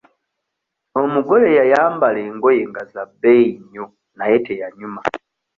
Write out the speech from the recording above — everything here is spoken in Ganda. Omugole yayambala engoye nga za bbeeyi nnyo naye teyanyuma.